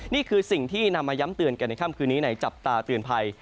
นี่คือสิ่งที่นำมาย้ำเตือนกันในค่ำคืนนี้ในจับตาเตือนภัย